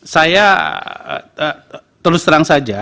saya terus terang saja